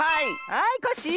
はいコッシー！